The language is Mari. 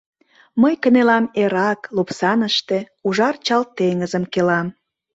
Мый кынелам эрак, лупсаныште, Ужар-чал теҥызым келам.